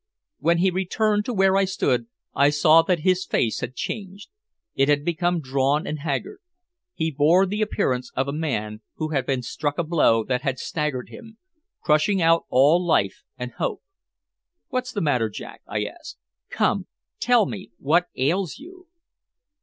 When he returned to where I stood I saw that his face had changed: it had become drawn and haggard. He bore the appearance of a man who had been struck a blow that had staggered him, crushing out all life and hope. "What's the matter, Jack?" I asked. "Come! Tell me what ails you?"